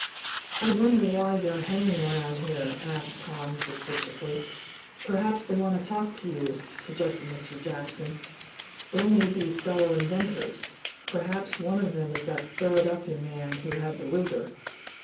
"I wonder why they're hanging around here?" asked Tom, suspiciously. "Perhaps they want to talk to you," suggested Mr. Jackson. "They may be fellow inventors perhaps one of them is that Philadelphia man who had the Whizzer."